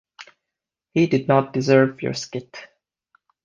He did not deserve your skit.